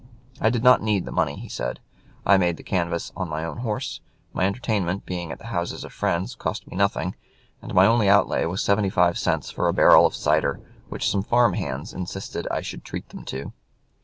"I did not need the money," he said. "I made the canvass on my own horse; my entertainment, being at the houses of friends, cost me nothing; and my only outlay was seventy five cents for a barrel of cider, which some farm hands insisted I should treat them to."